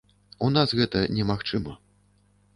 У нас гэта немагчыма.